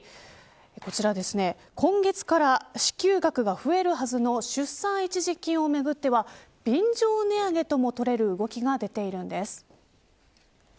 こちら今月から支給額が増えるはずの出産一時金をめぐっては便乗値上げともとれる動きが出ているんです。